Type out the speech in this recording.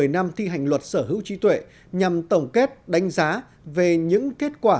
một mươi năm thi hành luật sở hữu trí tuệ nhằm tổng kết đánh giá về những kết quả